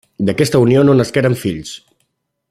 D'aquesta unió no nasqueren fills.